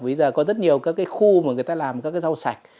bây giờ có rất nhiều các cái khu mà người ta làm các cái rau sạch